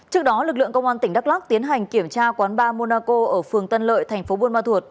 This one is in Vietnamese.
trước đó lực lượng công an tp huế tiến hành kiểm tra quán bar monaco ở phường tân lợi tp buôn ma thuột